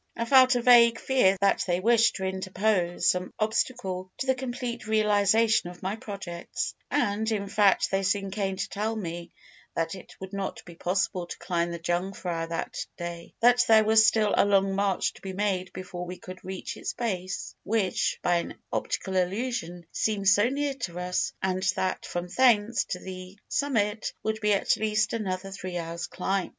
I felt a vague fear that they wished to interpose some obstacle to the complete realization of my projects; and, in fact, they soon came to tell me that it would not be possible to climb the Jungfrau that day; that there was still a long march to be made before we could reach its base, which, by an optical illusion, seemed so near to us; and that from thence to the summit would be at least another three hours' climb.